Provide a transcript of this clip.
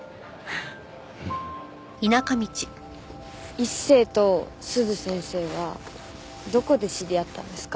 一星と鈴先生はどこで知り合ったんですか？